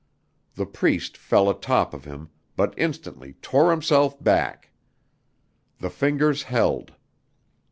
The Priest fell atop of him, but instantly tore himself back. The fingers held.